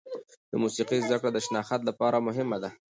د موسیقي زده کړه د شناخت لپاره مهمه ده.